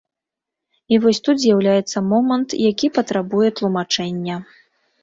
І вось тут з'яўляецца момант, які патрабуе тлумачэння.